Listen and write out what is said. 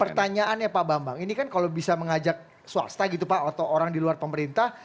pertanyaannya pak bambang ini kan kalau bisa mengajak swasta gitu pak atau orang di luar pemerintah